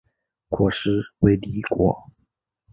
果实为离果。